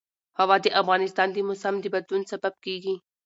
هوا د افغانستان د موسم د بدلون سبب کېږي.